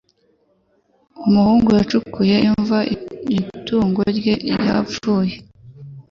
Umuhungu yacukuye imva itungo rye ryapfuye